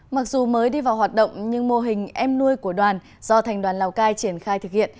mặc dù mới đi vào hoạt động nhưng mô hình em nuôi của đoàn do thành đoàn lào cai triển khai thực hiện